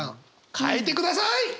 書いてください！